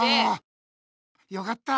よかった。